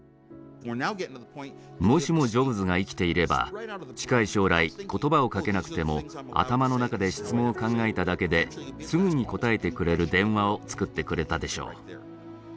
もしもジョブズが生きていれば近い将来言葉をかけなくても頭の中で質問を考えただけですぐに答えてくれる電話を作ってくれたでしょう。